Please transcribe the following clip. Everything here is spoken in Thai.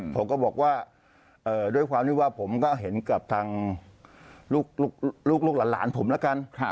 ผมก็บอกว่าด้วยความที่ว่าผมก็เห็นกับทางลูกหลานผมแล้วกัน